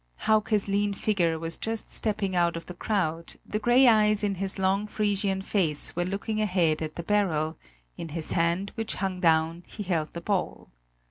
Hauke's lean figure was just stepping out of the crowd; the grey eyes in his long Frisian face were looking ahead at the barrel; in his hand which hung down he held the ball.